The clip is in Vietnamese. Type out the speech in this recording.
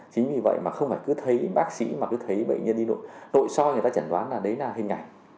chính vì vậy mà không phải cứ thấy bác sĩ mà cứ thấy bệnh nhân đi nội soi người ta chẩn đoán là đấy là hình ảnh